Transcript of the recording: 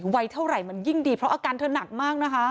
วัยเท่าไหร่มันยิ่งดีเพราะอาการเธอหนักมากนะคะ